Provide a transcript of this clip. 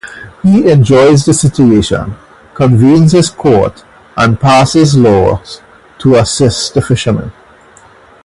He enjoys the situation, convenes his court and passes laws to assist the fishermen.